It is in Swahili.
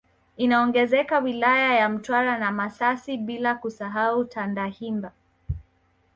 Inaongezeka wilaya ya Mtwara na Masasi bila kusahau Tandahimba